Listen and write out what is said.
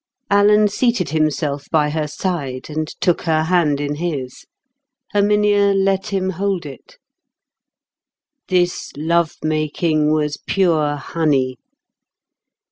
Alan seated himself by her side, and took her hand in his; Herminia let him hold it. This lovemaking was pure honey.